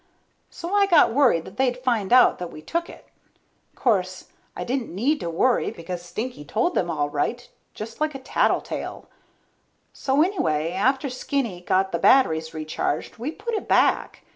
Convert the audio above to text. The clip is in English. So I got worried that they'd find out that we took it. Course, I didn't need to worry, because Stinky told them all right, just like a tattletale. So anyway, after Skinny got the batteries recharged, we put it back.